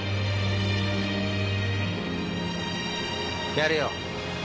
やるよ。